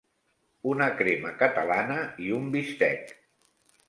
Una crema catalana i un bistec.